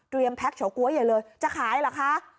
แพ็คเฉาก๊วยใหญ่เลยจะขายเหรอคะ